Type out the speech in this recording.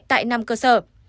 tại năm cơ sở